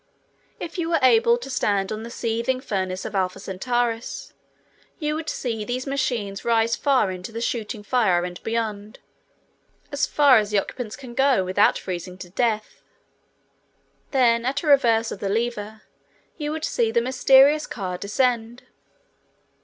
If you were able to stand on the seething furnace of Alpha Centaurus, you would see these machines rise far into the shooting fire and beyond, as far as occupants can go without freezing to death. Then at a reverse of the lever you would see the mysterious car descend.